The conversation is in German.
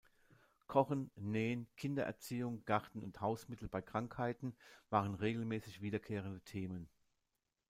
Kochen, Nähen, Kindererziehung, Garten und Hausmittel bei Krankheiten waren regelmäßig wiederkehrende Themen.